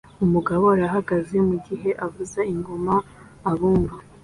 Umugabo arahagaze mugihe avuza ingoma abumva